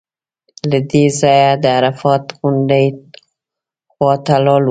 له دې ځایه د عرفات غونډۍ خوا ته لاړو.